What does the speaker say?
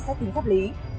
sách tính pháp lý